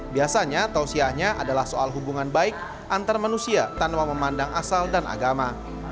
biasanya tausiahnya adalah soal hubungan baik antar manusia tanpa memandang asal dan agama